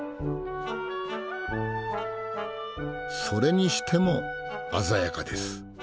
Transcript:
それにしても鮮やかです。